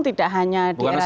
tidak hanya di era